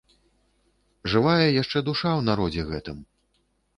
Жывая яшчэ душа ў народзе гэтым.